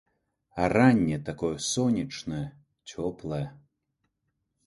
А ранне такое сонечнае, цёплае.